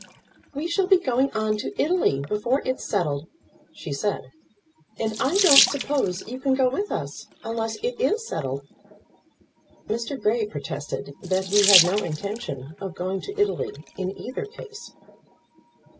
"We shall be going on to Italy before it's settled," she said; "and I don't suppose you can go with us, unless it is settled." Mr. Grey protested that he had no intention of going to Italy in either case.